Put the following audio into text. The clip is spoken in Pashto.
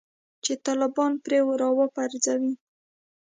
چې طالبان پرې راوپرځوي